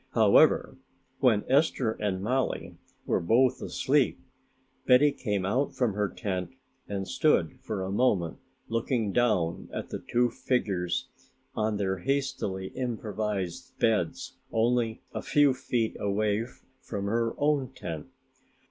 However, when Esther and Mollie were both asleep, Betty came out from her tent and stood for a moment looking down at the two figures on their hastily improvised beds only a few feet away from her own tent.